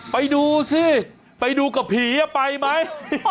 ไปดูสิไปดูกับผีไปไหม